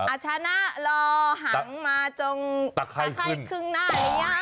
อาชาณารอหังมาตัวตัวไข่ขึ้นหน้าเอาย้าว